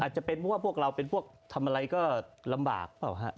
จะเป็นเพราะว่าพวกเราเป็นพวกทำอะไรก็ลำบากเปล่าฮะ